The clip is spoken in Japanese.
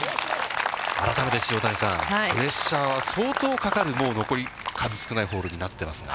改めて塩谷さん、プレッシャーは相当かかるもう残り少ないホールになってますが。